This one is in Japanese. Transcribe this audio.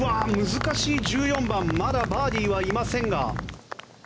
難しい１４番まだバーディーはいませんが。